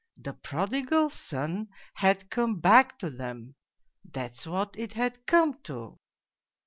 . the prodigal son had come back to them that's what it had come to